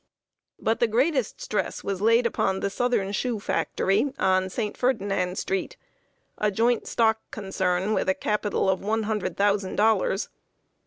But the greatest stress was laid upon the Southern Shoe Factory, on St. Ferdinand street a joint stock concern, with a capital of one hundred thousand dollars.